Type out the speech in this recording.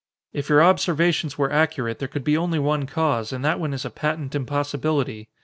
"If your observations were accurate, there could be only one cause and that one is a patent impossibility.